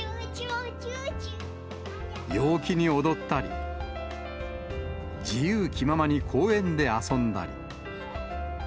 陽気に踊ったり、自由気ままに公園で遊んだり。